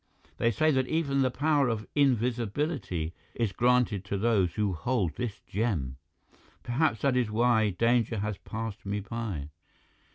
They say that even the power of invisibility is granted to those who hold this gem. Perhaps that is why danger has passed me by."